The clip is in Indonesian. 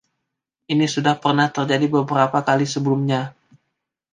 Ini sudah pernah terjadi beberapa kali sebelumnya.